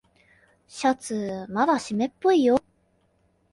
シャツまだしめっぽいよ。